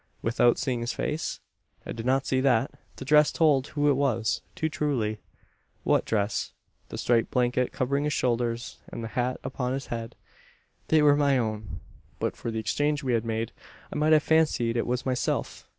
"Without seeing his face?" "It did not need that. The dress told who it was too truly." "What dress?" "The striped blanket covering his shoulders and the hat upon his head. They were my own. But for the exchange we had made, I might have fancied it was myself.